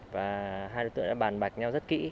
và hai đối tượng đã bàn bạch nhau rất kỹ